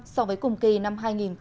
so với cùng kỳ năm hai nghìn một mươi tám